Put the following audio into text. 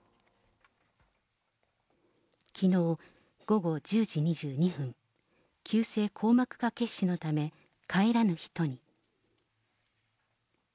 きのう午後１０時２２分、急性硬膜下血腫のため、帰らぬ人に。